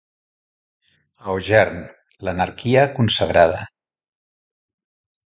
A Ogern, l'anarquia consagrada.